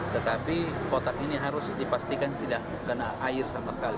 tetapi kotak ini harus dipastikan tidak kena air sama sekali